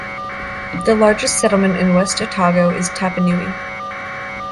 The largest settlement in West Otago is Tapanui.